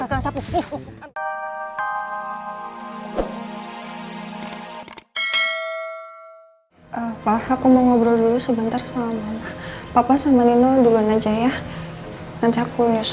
apa aku mau ngobrol dulu sebentar sama mama papa sama nino duluan aja ya nanti aku nyusul